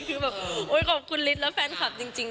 คือแบบโอ๊ยขอบคุณฤทธิ์และแฟนคลับจริง